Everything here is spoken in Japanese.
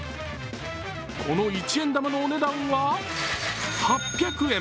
この一円玉のお値段は８００円。